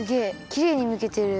きれいにむけてる。